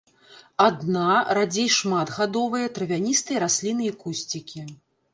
Адна-, радзей шматгадовыя травяністыя расліны і кусцікі.